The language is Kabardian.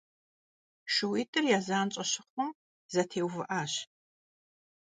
Шууитӏыр я занщӏэ щыхъум, зэтеувыӏащ.